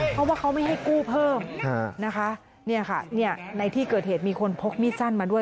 เพราะว่าเขาไม่ให้กู้เพิ่มนะคะเนี่ยค่ะเนี่ยในที่เกิดเหตุมีคนพกมีดสั้นมาด้วย